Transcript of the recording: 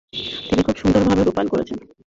তিনি খুব সুন্দর ভাবে রূপায়ন করেছেন।